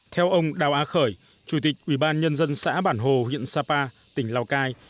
theo ông đào á khởi chủ tịch ubnd xã bản hồ huyện sapa tỉnh lào cai